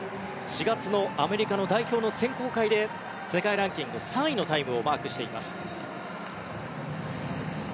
４月のアメリカの代表の選考会で世界ランキング３位のタイムをマークしています。